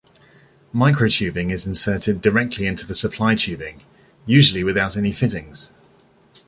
Microtubing is inserted directly into the supply tubing, usually without any fittings.